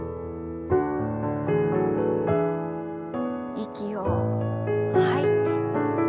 息を吐いて。